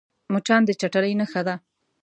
مچان د چټلۍ نښه ده